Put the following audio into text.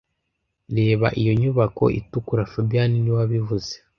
Reba iyo nyubako itukura fabien niwe wabivuze